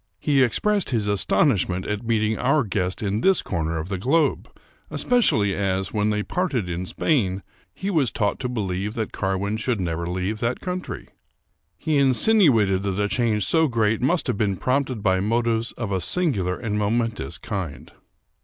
He expressed his aston ishment at meeting our guest in this corner of the globe, especially as, when they parted in Spain, he was taught to believe that Carwin should never leave that country. He insinuated that a change so great must have been prompted by motives of a singular and momentous kind.